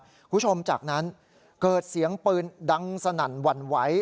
คุณผู้ชมจากนั้นเกิดเสียงปืนดังสนั่นหวั่นไหว